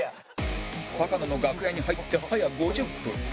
高野の楽屋に入って早５０分